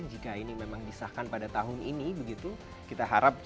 jika ini memang disahkan pada tahun dua ribu dua puluh apa yang akan terjadi